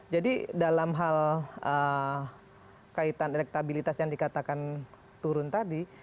jadi dalam hal kaitan elektabilitas yang dikatakan turun tadi